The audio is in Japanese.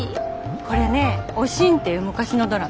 これね「おしん」っていう昔のドラマ。